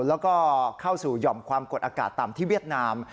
แล้วก็เข้าสู่หย่อมความกดอากาศต่ำที่เวียดนาม